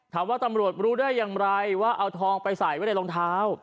ตำรวจรู้ได้อย่างไรว่าเอาทองไปใส่ไว้ในรองเท้า